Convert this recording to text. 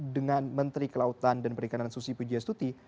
dengan menteri kelautan dan perikanan susi pujias tuti